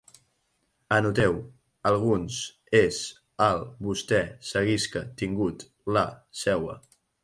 Anoteu: alguns, és, el, vostè, seguisca, tingut, la, seua